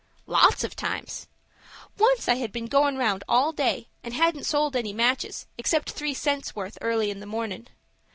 "Lots of times. Once I had been goin' round all day, and hadn't sold any matches, except three cents' worth early in the mornin'.